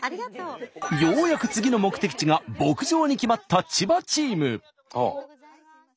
ようやく次の目的地が牧場に決まった千葉チーム。